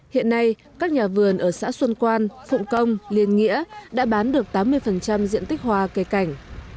hiện nay các nhà vườn ở xã xuân quan phụng công liên nghĩa đã bán được tám mươi diện tích hoa cây cảnh